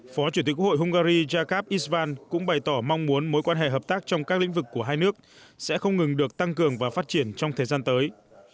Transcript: phó chủ tịch quốc hội hungary jakarb isvan cũng bày tỏ mong muốn mối quan hệ hợp tác trong các lĩnh vực của hai nước sẽ không ngừng được tăng cường và phát triển trong thời gian tới